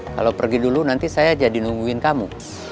kalau pergi dulu nanti saya aja dinungguin kamu